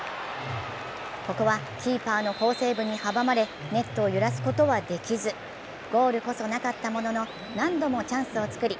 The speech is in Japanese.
ここはキーパーの好セーブに阻まれネットを揺らすことはできずゴールこそなかったものの、何度もチャンスを作り